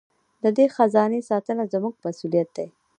د دې خزانې ساتنه زموږ مسوولیت دی.